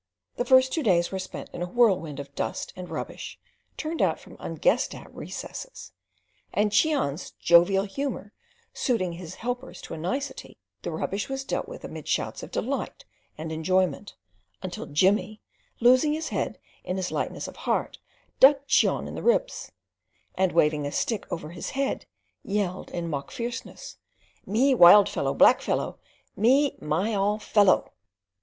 The first two days were spent in a whirlwind of dust and rubbish, turned out from unguessed at recesses, and Cheon's jovial humour suiting his helpers to a nicety, the rubbish was dealt with amid shouts of delight and enjoyment; until Jimmy, losing his head in his lightness of heart, dug Cheon in the ribs, and, waving a stick over his head, yelled in mock fierceness: "Me wild fellow, black fellow. Me myall fellow."